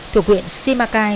thuộc huyện simacai